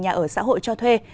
nhà ở xã hội cho thuê